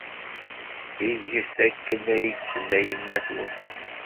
Get akken ay d-tenna yemma-twen.